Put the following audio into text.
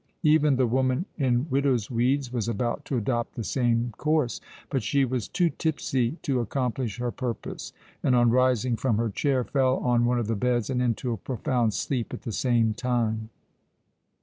Even the woman in widow's weeds was about to adopt the same course; but she was too tipsy to accomplish her purpose, and, on rising from her chair, fell on one of the beds and into a profound sleep at the same time.